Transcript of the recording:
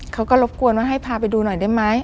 เขาก็รบกวนว่าให้พาไปดูหน่อยได้ไหม